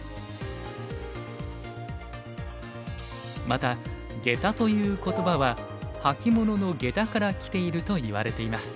またゲタという言葉は履物の下駄からきているといわれています。